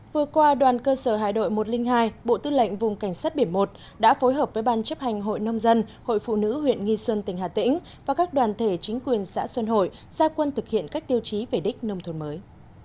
vừa qua đoàn cơ sở hải đội một trăm linh hai bộ tư lệnh vùng cảnh sát biển một đã phối hợp với ban chấp hành hội nông dân hội phụ nữ huyện nghi xuân tỉnh hà tĩnh và các đoàn thể chính quyền xã xuân hội gia quân thực hiện các tiêu chí về đích nông thôn mới